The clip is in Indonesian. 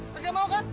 kagak mau kan